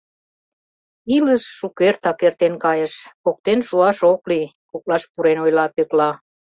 — Илыш шукертак эртен кайыш, поктен шуаш ок лий, — коклаш пурен ойла Пӧкла.